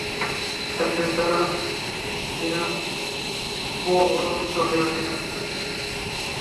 খ্রীষ্টানদের দ্বারা য়াহুদীরা অবনমিত হইয়াছিল।